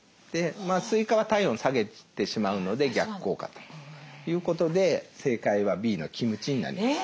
スイカは体温下げてしまうので逆効果ということで正解はＢのキムチになります。